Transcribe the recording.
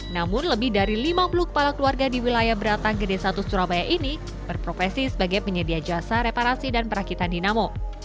namun lebih dari lima puluh kepala keluarga di wilayah beratang gede satu surabaya ini berprofesi sebagai penyedia jasa reparasi dan perakitan dinamo